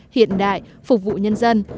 hiện đại phục vụ nhân dân